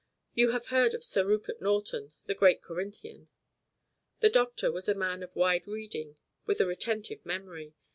You have heard of Sir Rupert Norton, the great Corinthian?" The doctor was a man of wide reading with a retentive, memory.